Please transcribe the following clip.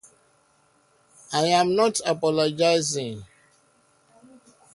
I am not apologizing.